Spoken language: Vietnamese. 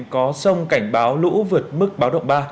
có sông cảnh báo lũ vượt mức báo động ba